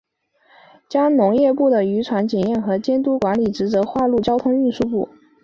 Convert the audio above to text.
将农业部的渔船检验和监督管理职责划入交通运输部。